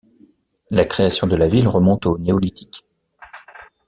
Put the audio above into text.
La création de la ville remonte au néolithique.